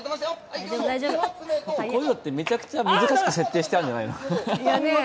こういうのってめちゃくちゃ難しく設定してあるんじゃないの。